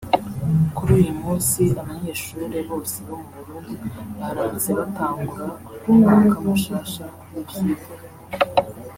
Kur'uyu musi abanyeshure bose bo mu Burundi baramutse batangura umwaka mushasha w'ivyigwa